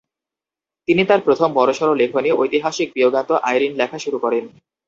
তিনি তার প্রথম বড়সড় লেখনী ঐতিহাসিক বিয়োগান্ত আইরিন লেখা শুরু করেন।